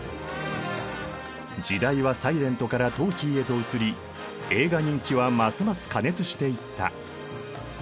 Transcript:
時代はサイレントからトーキーへと移り映画人気はますます過熱していった。